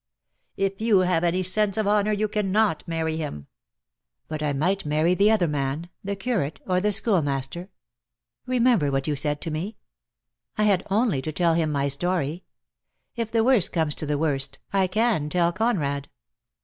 "If you have any sense of honour you cannot marry him." "But I might marry the other man — the curate ■— or the schoolmaster? Remember what you said to me. I had only to tell him my story. If the worst comes to the worst I can tell Conrad."